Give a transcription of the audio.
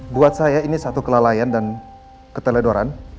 buat saya ini satu kelalaian dan keteledoran